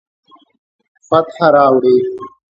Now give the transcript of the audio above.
فتح راوړي